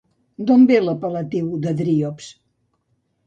D'on ve l'apel·latiu de Dríops?